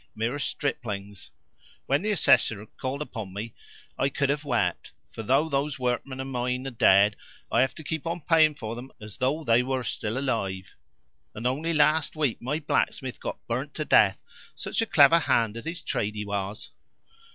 Mere striplings. When the Assessor last called upon me I could have wept; for, though those workmen of mine are dead, I have to keep on paying for them as though they were still alive! And only last week my blacksmith got burnt to death! Such a clever hand at his trade he was!"